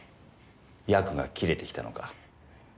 ヤクが切れてきたのか？